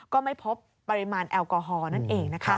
ก็ไม่พบปริมาณแอลกอฮอลนั่นเองนะคะ